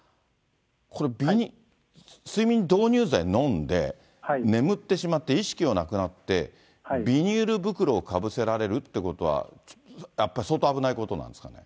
これ、睡眠導入剤飲んで、眠ってしまって意識がなくなって、ビニール袋をかぶせられるってことは、やっぱり相当危ないことなんですかね。